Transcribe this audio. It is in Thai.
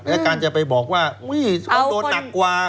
และการจะไปบอกว่าต้องโดนหนักกว่า